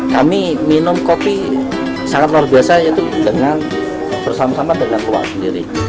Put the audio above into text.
kami minum kopi sangat luar biasa yaitu dengan bersama sama dengan uang sendiri